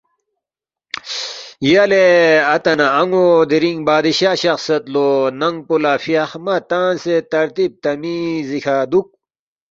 ”یلے اتا نہ ان٘و دِرِنگ بادشاہ شخسید لو، ننگ پو لہ فیاخمہ تنگسے ترتیب تمیزی کھہ دُوک